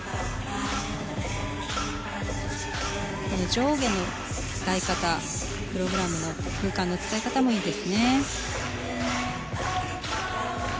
上下の使い方プログラムの使い方もいいですね。